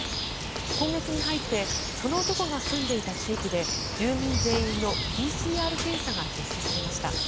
今月に入ってその男が住んでいた地域で住民全員のＰＣＲ検査が実施されました。